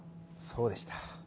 そうでした。